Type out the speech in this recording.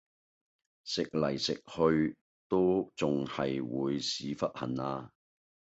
食嚟食去都仲係會屎忽痕呀